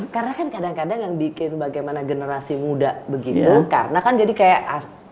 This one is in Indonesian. karena kan kadang kadang yang bikin bagaimana generasi muda begitu karena kan jadi kayak asing sendiri gak keren gak cool